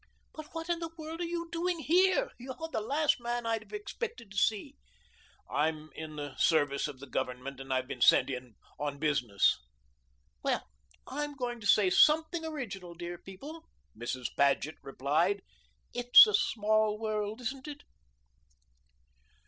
"But what in the world are you doing here? You're the last man I'd have expected to see." "I'm in the service of the Government, and I've been sent in on business." "Well, I'm going to say something original, dear people," Mrs. Paget replied. "It's a small world, isn't it?"